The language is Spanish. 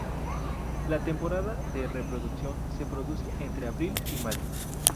La temporada de reproducción se produce entre abril y mayo.